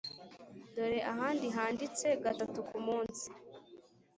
dore ahandi handitse gatatu ku munsi.